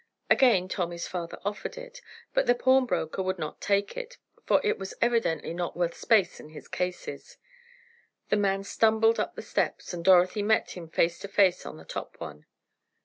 Again Tommy's father offered it, but the pawnbroker would not take it, for it was evidently not worth space in his cases. The man stumbled up the steps, and Dorothy met him face to face on the top one.